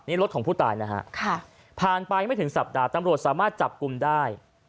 นี่รถของผู้ตายนะฮะผ่านไปไม่ถึงสัปดาห์ตำรวจสามารถจับกลุ่มได้